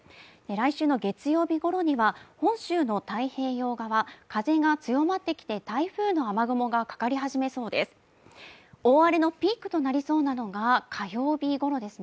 来週の月曜日頃には本州の太平洋側、風が強まってきて台風の雨雲がかかり始めそうです。